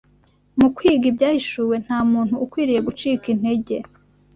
Mu kwiga Ibyahishuwe, nta muntu ukwiriye gucika integer